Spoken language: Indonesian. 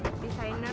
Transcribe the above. jadi belajar belajar